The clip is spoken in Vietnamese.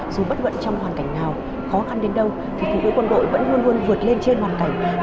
dù bất ngận trong hoàn cảnh nào khó khăn đến đâu thì phụ nữ quân đội vẫn luôn luôn vượt lên trên hoàn cảnh